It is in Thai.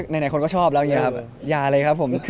ไหนคนก็ชอบแล้วอย่าเลยครับผม